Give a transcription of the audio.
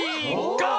ゴー！